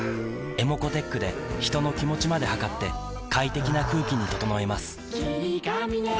ｅｍｏｃｏーｔｅｃｈで人の気持ちまで測って快適な空気に整えます